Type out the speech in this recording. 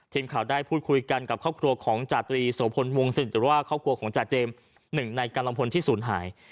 ทีมข่าวได้พูดคุยกันกับครอบครัวของจาตรีโสพลวงศิษย์หรือว่าครอบครัวของจาเจมส์หนึ่งในกำลังพลที่ศูนย์หาย